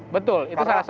betul itu salah satu